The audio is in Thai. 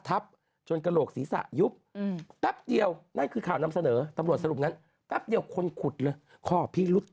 นางคิดแบบว่าไม่ไหวแล้วไปกด